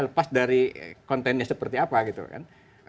lepas dari kontennya seperti apa gitu kan